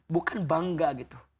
bukan bangga gitu